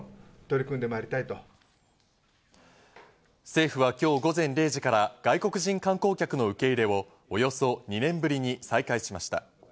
政府は今日午前０時から外国人観光客の受け入れをおよそ２年ぶりに再開しました。